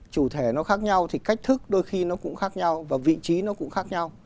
chủ thể nó khác nhau thì cách thức đôi khi nó cũng khác nhau và vị trí nó cũng khác nhau